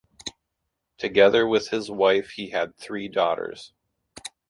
Together with his wife he had three daughters.